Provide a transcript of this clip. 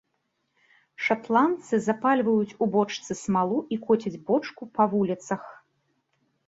Шатландцы запальваюць у бочцы смалу і коцяць бочку па вуліцах.